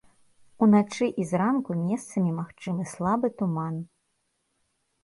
Уначы і зранку месцамі магчымы слабы туман.